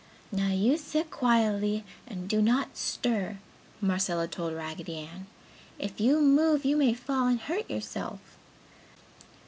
"Now you sit quietly and do not stir," Marcella told Raggedy Ann, "If you move you may fall and hurt yourself!"